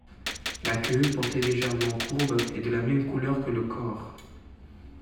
La queue, portée légèrement courbe, est de la même couleur que le corps.